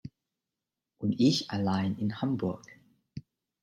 Und ich allein in Hamburg.